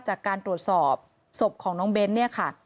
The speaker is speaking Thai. จากการตรวจสอบศพของน้องเบ้นเนี่ยค่ะ